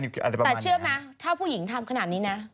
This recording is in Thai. แต่เชื่อไหมถ้าผู้หญิงทำขนาดนี้นะ